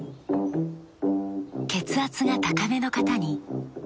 血圧が高めの方に。